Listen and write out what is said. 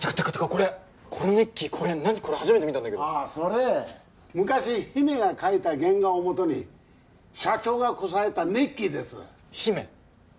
これこのネッキーこれ何これ初めて見たんだけどああそれ昔姫が描いた原画をもとに社長がこさえたネッキーです姫？